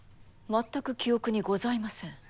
全く記憶にございません。